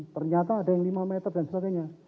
ternyata ada yang lima meter dan sebagainya